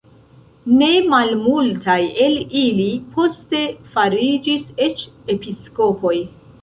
Ne malmultaj el ili poste fariĝis eĉ episkopoj.